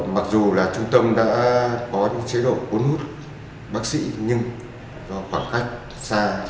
mặc dù là trung tâm đã có những chế độ cuốn hút bác sĩ nhưng do khoảng cách xa